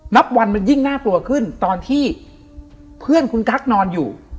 นับวันมันยิ่งน่ากลัวขึ้นตอนที่เพื่อนคุณกั๊กนอนอยู่